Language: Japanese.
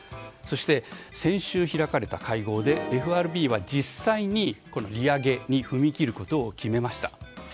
そして、先週開かれた会合でＦＲＢは実際に利上げに踏み切ることを決めました。